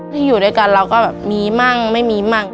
ถ้าอยู่ด้วยกันเราก็แบบมีมั่งไม่มีมั่ง